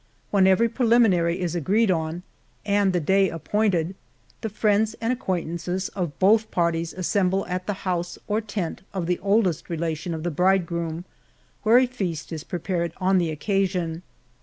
When every preliminary is agreed on, and the day appointed, the friends and acquantances of both parties assemble at the house or tent of the oldest relation of the bridegroom, where a feast is prepared on the occasion.